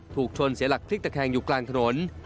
ถูกชนเสียหลักพลิกตะแคงอยู่กลางถนน